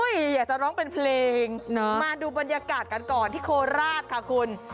อยากจะร้องเป็นเพลงมาดูบรรยากาศกันก่อนที่โคราชค่ะคุณ